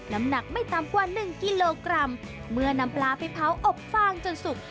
น้ำหนักไม่ต่ำกว่าหนึ่งกิโลกรัมเมื่อนำปลาไปเผาอบฟางจนสุก